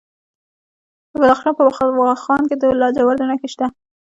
د بدخشان په واخان کې د لاجوردو نښې شته.